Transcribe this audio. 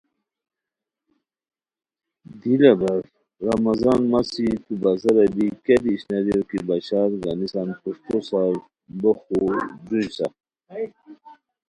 دی لہ برار رمضان مسی تو بازار بی کیہ دی اشناریو کی بشارو گنیسان پروشٹو سار ہو جُو حصہ قیمت